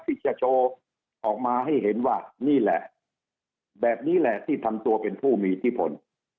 ที่จะโชว์ออกมาให้เห็นว่านี่แหละแบบนี้แหละที่ทำตัวเป็นผู้มีอิทธิพล